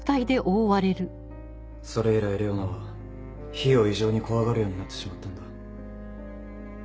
それ以来レオナは火を異常に怖がるようになってしまったんだ。